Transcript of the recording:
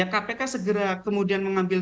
kpk segera kemudian mengambil